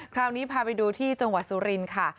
คราวนี้พาไปดูที่จังหวัดสุรินทร์ค่ะ